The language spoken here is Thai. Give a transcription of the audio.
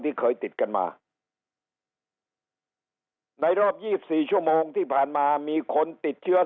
ที่เคยติดกันมาในรอบยี่สิบสี่ชั่วโมงที่ผ่านมามีคนติดเชื้อ